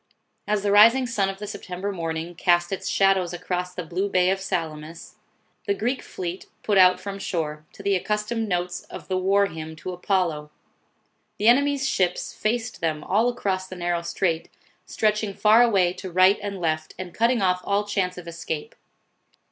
As the rising sun of the September morning, cast its shadows across the blue Bay of Salamis, the 100 NAVAL VICTORY. [B.C. 480. Greek fleet put out from shore, to the accustomed notes of the war hymn to Apollo. The enemy's ships faced them all across the narrow strait, stretching far away to right and left, and cutting off all chance of escape.